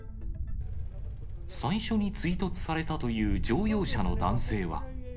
最初に追突されたという乗用車の男性は。